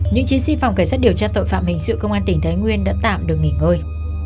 những chiến sĩ phòng cảnh sát điều tra tội phạm hình sự công an tỉnh thái nguyên đã tạm được nghỉ ngơi